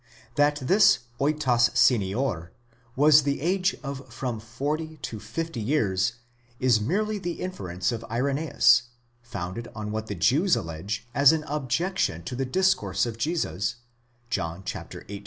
That this efas senior was the age of from forty to fifty years is merely the in ference of Irenzeus, founded on what the Jews allege as an objection to the discourse of Jesus, John viii.